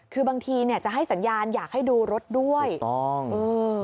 คือบางทีเนี่ยจะให้สัญญาณอยากให้ดูรถด้วยถูกต้องเออ